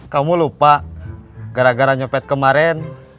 kamu lupa gara gara nyopet kemaren